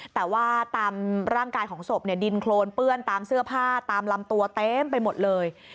แต่ว่าตามร่างกายของศพเนี่ยดินโครนเปื้อนตามเสื้อผ้าตามลำตัวเต็มไปหมดเลย